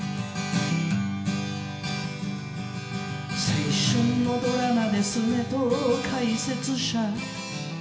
「青春のドラマですねと解説者」